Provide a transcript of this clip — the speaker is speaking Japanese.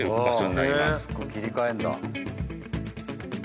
切り替えるんだ。